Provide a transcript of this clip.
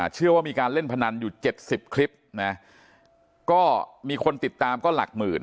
เชื่อว่ามีการเล่นพนันอยู่เจ็ดสิบคลิปนะก็มีคนติดตามก็หลักหมื่น